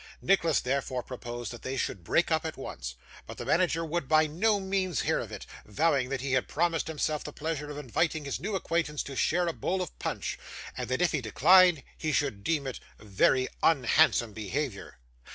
Nicholas therefore proposed that they should break up at once, but the manager would by no means hear of it; vowing that he had promised himself the pleasure of inviting his new acquaintance to share a bowl of punch, and that if he declined, he should deem it very unhandsome behaviour.